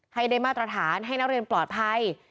ให้ได้มาตรฐานให้นักเรียนปลอดภัย